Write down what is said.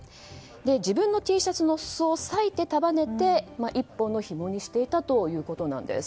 自分のＴシャツの裾を裂いて束ねて１本のひもにしていたということなんです。